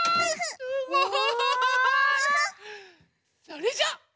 それじゃあ。